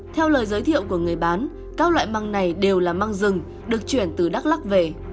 theo lời giới thiệu của người bán các loại măng này đều là măng rừng được chuyển từ đắk lắc về